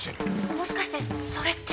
もしかしてそれって。